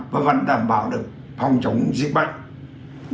và vẫn đảm bảo được phòng chống dịch bệnh